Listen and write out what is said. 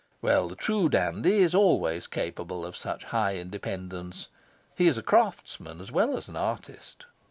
Well, the true dandy is always capable of such high independence. He is craftsman as well as artist.